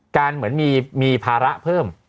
เหมือนมีภาระเพิ่ม